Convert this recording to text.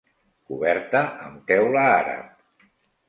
Coberta amb teula àrab.